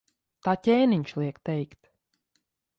Tā ķēniņš liek teikt.